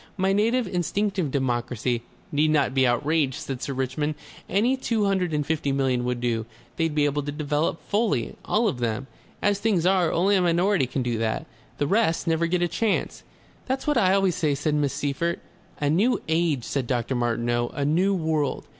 "My native instinctive democracy " "Need not be outraged," said Sir Richmond. "Any two hundred and fifty million would do, They'd be able to develop fully, all of them. As things are, only a minority can do that. The rest never get a chance." "That's what I always say," said Miss Seyffert. "A New Age," said Dr. Martineau; "a New World.